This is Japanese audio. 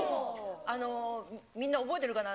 みんな覚えてるかな？